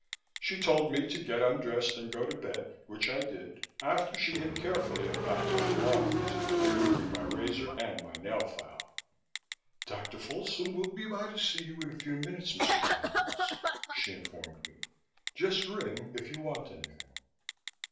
She told me to get undressed and go to bed which I did, after she had carefully unpacked my belongings, removing my razor and my nail file. "Dr. Folsom will be by to see you in a few minutes, Mr. Tompkins," she informed me. "Just ring if you want anything."